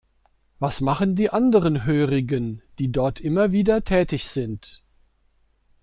Was machen die anderen Hörigen, die dort immer wieder tätig sind?